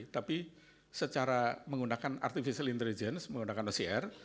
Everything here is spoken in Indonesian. tapi secara menggunakan artificial intelligence menggunakan ocr